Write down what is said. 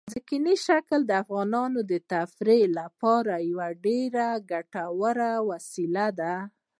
ځمکنی شکل د افغانانو د تفریح لپاره یوه ډېره ګټوره وسیله ده.